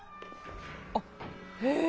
あっへえ！